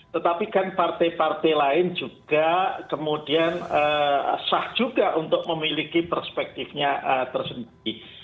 tetapi kan partai partai lain juga kemudian sah juga untuk memiliki perspektifnya tersendiri